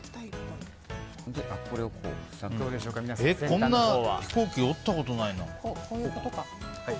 こんな飛行機、折ったことないな。